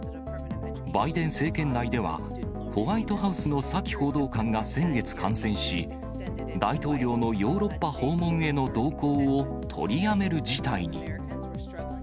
バイデン政権内では、ホワイトハウスのサキ報道官が先月感染し、大統領のヨーロッパ訪問への同行を取りやめる事態に。